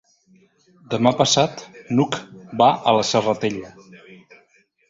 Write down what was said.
Demà passat n'Hug va a la Serratella.